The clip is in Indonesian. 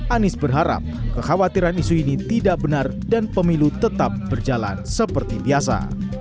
anies berharap kekhawatiran isu ini tidak benar dan pemilu tetap berjalan seperti biasa